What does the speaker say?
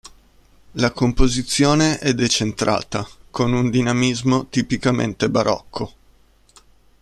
La composizione è decentrata, con un dinamismo tipicamente barocco.